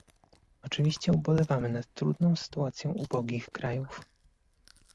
Oczywiście ubolewamy nad trudną sytuacją ubogich krajów